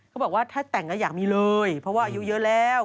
เขาบอกว่าถ้าแต่งอยากมีเลยเพราะว่าอายุเยอะแล้ว